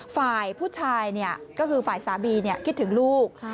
ฝ่ายผู้ชายเนี่ยก็คือฝ่ายสามีเนี่ยคิดถึงลูก